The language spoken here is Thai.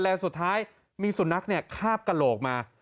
และสุดท้ายมีสุนัขคาบกระโหลกมา